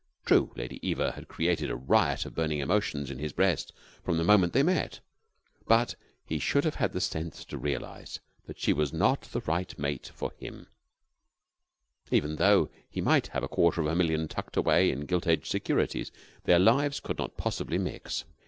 True, Lady Eva had created a riot of burning emotions in his breast from the moment they met; but he should have had the sense to realize that she was not the right mate for him, even tho he might have a quarter of a million tucked away in gilt edged securities. Their lives could not possibly mix.